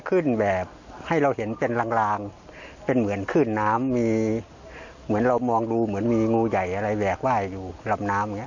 ขึ้นแบบให้เราเห็นเป็นลางลางเป็นเหมือนขึ้นน้ำมีเหมือนเรามองดูเหมือนมีงูใหญ่อะไรแหลกไหว้อยู่ลำน้ำอย่างเง